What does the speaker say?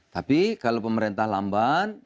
tapi kalau pemerintah lamban